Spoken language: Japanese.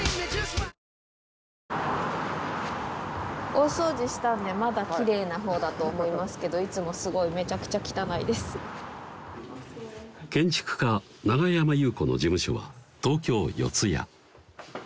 大掃除したんでまだきれいなほうだと思いますけどいつもすごいめちゃくちゃ汚いです建築家・永山祐子の事務所は東京・四谷